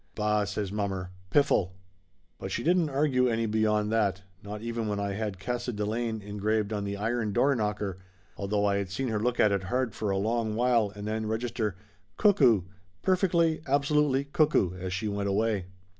"Bah !" says mommer. "Piffle !" But she didn't argue any beyond that, not even when I had Casa Delane engraved on the iron door knocker, although I seen her look at it hard for a long while and then register "Cuckoo! Perfectly, absolutely cuckoo!" as she went away.